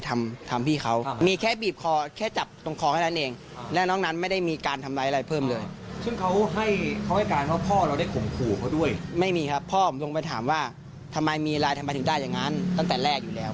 ทำไมมีอะไรทำไมถึงได้อย่างนั้นตั้งแต่แรกอยู่แล้ว